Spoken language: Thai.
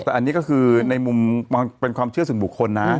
แต่อันนี้ก็คือในมุมมองเป็นความเชื่อส่วนบุคคลนะ